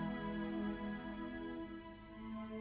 aku sudah berjalan